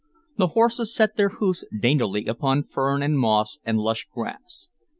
The horses set their hoofs daintily upon fern and moss and lush grass.